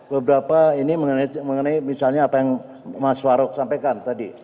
beberapa ini mengenai misalnya apa yang mas warok sampaikan tadi